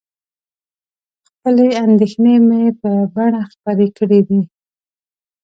خپلې اندېښنې مې په بڼه خپرې کړي دي.